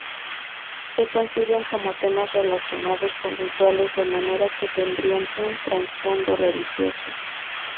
Se conciben como temas relacionados con rituales, de manera que tendrían un trasfondo religioso.